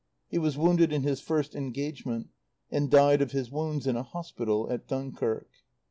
He was wounded in his first engagement, and died of his wounds in a hospital at Dunkirk.